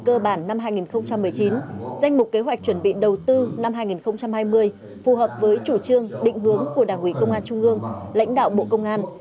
cơ bản năm hai nghìn một mươi chín danh mục kế hoạch chuẩn bị đầu tư năm hai nghìn hai mươi phù hợp với chủ trương định hướng của đảng ủy công an trung ương lãnh đạo bộ công an